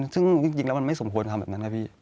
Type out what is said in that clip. ซึ่งจริงแล้วมันไม่สมควรทำแบบนั้นนะพี่